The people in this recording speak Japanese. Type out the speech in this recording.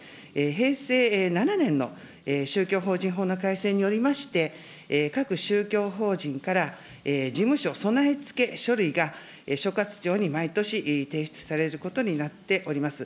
平成７年の宗教法人法の改正によりまして、各宗教法人から、事務所備え付け書類が所轄庁に毎年、提出されることになっております。